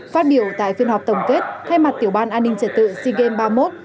phát biểu tại phiên họp tổng kết thay mặt tiểu ban an ninh trật tự sea games ba mươi một